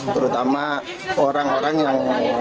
terutama orang orang yang